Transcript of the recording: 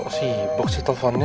kok sibuk sih telponnya